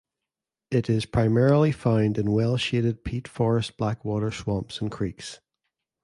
It is primarily found in well shaded peat forest blackwater swamps and creeks.